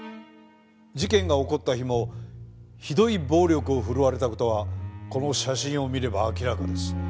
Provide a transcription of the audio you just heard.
事件が起こった日もひどい暴力を振るわれた事はこの写真を見れば明らかです。